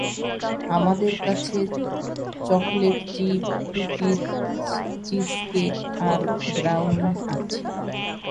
আমাদের কাছে chocolate chip cookies, cheesecake, আর ব্রাউনি আছে।